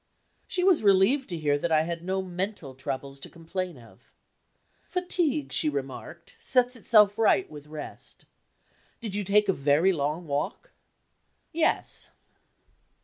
She was relieved to hear that I had no mental troubles to complain of. "Fatigue," she remarked, "sets itself right with rest. Did you take a very long walk?" "Yes."